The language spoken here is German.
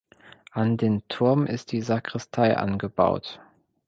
An den Turm ist die Sakristei angebaut.